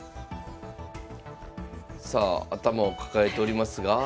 さあ頭を抱えておりますが。